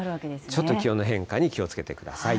ちょっと気温の変化に気をつけてください。